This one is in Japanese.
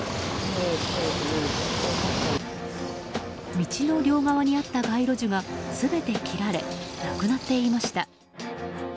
道の両側にあった街路樹が全て切られなくなっていました。